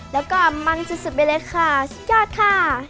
แล้วก็มันจะสุดเบล็ดค่ะสุดยอดค่ะ